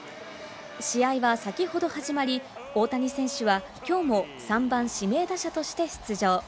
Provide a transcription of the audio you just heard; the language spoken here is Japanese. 試合は先ほど始まり、大谷選手は今日も３番指名打者として出場。